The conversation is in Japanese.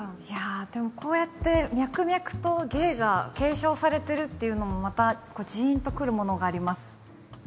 でもこうやって脈々と芸が継承されてるっていうのもまたじんとくるものがあります。